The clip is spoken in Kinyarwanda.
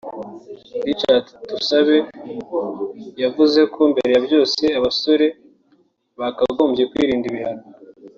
Richard Tusabe yavuze ko mbere ya byose abasora bakagombye kwirinda ibihano